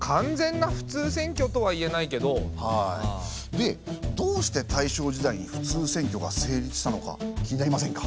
でどうして大正時代に普通選挙が成立したのか気になりませんか？